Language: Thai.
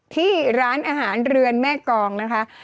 ที่ร้านอาหารเรือนแม่กองนะคะ